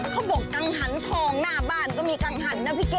กังหันทองหน้าบ้านก็มีกังหันนะพี่เก้